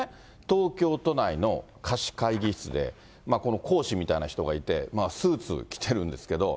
東京都内の貸会議室で、この講師みたいな人がいて、スーツ着てるんですけど。